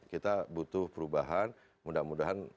kita butuh perubahan mudah mudahan